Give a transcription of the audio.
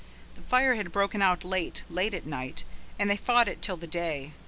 The fire had broken out late, late at night, and they fought it till the day.